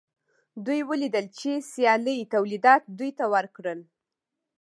دوی ولیدل چې سیالۍ تولیدات دوی ته ورکړل